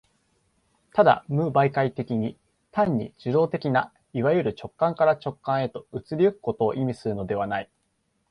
ただ無媒介的に、単に受働的ないわゆる直観から直観へと移り行くことを意味するのではない。